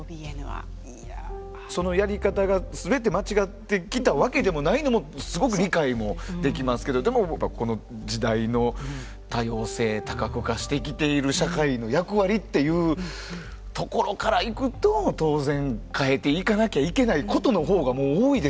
そのやり方が全て間違ってきたわけでもないのもすごく理解もできますけどでもやっぱこの時代の多様性多角化してきている社会の役割っていうところからいくと当然変えていかなきゃいけないことの方がもう多いですよね。